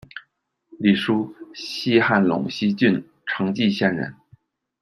李椒，西汉陇西郡成纪县人。